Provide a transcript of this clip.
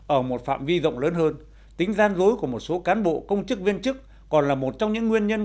ở một phạm vi rộng lớn hơn tính gian dối của một số cán bộ công chức viên chức còn là một trong những nguyên nhân